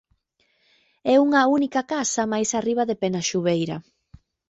É unha única casa máis arriba de Penaxubeira.